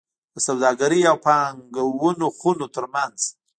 د سوداګرۍ او پانګونو خونو ترمنځ